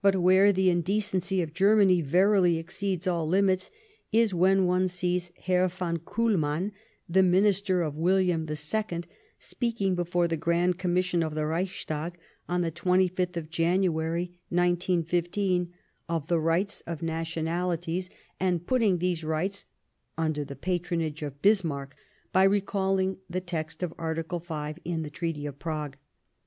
But where the indecency of Germany verily ex ceeds all limits is when one sees Herr von Kiihl mann, the Minister of William II, speaking before the Grand Commission of the Reichstag on the 25th of January, 1915, of the rights of nationalities, 106 Sadowa and putting these rights under the patronage of Bismarck by recalling the text of Article 5 in the Treaty of Prague.